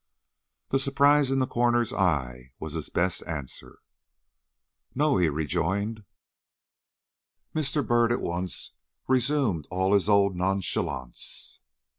The surprise in the coroner's eye was his best answer. "No," he rejoined. Mr. Byrd at once resumed all his old nonchalance.